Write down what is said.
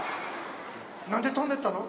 何で飛んでったの？